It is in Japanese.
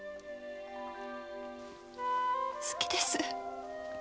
好きです！